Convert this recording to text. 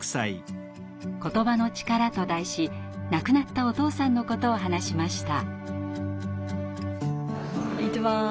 「ことばの力」と題し亡くなったお父さんのことを話しました。